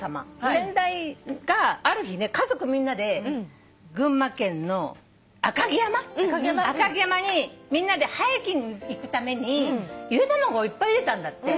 先代がある日家族みんなで群馬県の赤城山にみんなでハイキング行くためにゆで卵をいっぱいゆでたんだって。